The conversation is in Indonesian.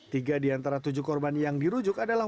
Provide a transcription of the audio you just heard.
tiga di antara tujuh korban yang dirujuk adalah